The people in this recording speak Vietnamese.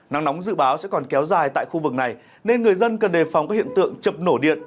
nắng nóng dự báo sẽ còn kéo dài tại khu vực này nên người dân cần đề phòng các hiện tượng chập nổ điện